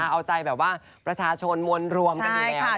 เอาใจประชาชนมนต์รวมกันอยู่แล้ว